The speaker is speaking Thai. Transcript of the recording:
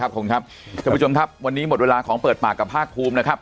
ขอบคุณครับท่านผู้ชมครับวันนี้หมดเวลาของเปิดปากกับภาคภูมินะครับ